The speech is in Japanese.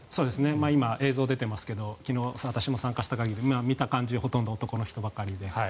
今、映像が出てますが昨日、私も参加した会議で見た限りでも男の人ばかりで。